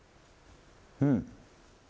うん